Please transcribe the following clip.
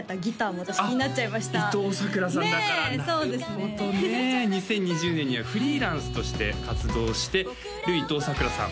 なるほどね２０２０年にはフリーランスとして活動している伊藤さくらさん